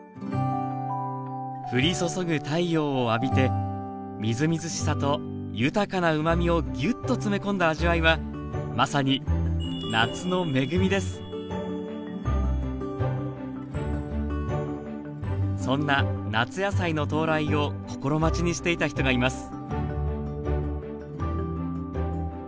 降り注ぐ太陽を浴びてみずみずしさと豊かなうまみをギュッと詰め込んだ味わいはまさにそんな夏野菜の到来を心待ちにしていた人がいます